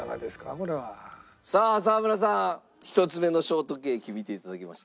これは」さあ沢村さん１つ目のショートケーキ見て頂きました。